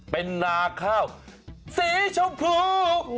เป็นนาข้าวสีชมพู